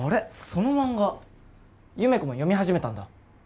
その漫画優芽子も読み始めたんだ